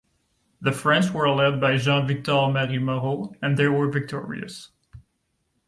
The French were led by Jean Victor Marie Moreau, and they were victorious.